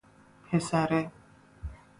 پسره